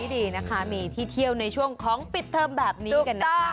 ดีนะคะมีที่เที่ยวในช่วงของปิดเทอมแบบนี้กันได้